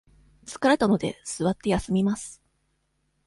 疲れたので、座って休みます。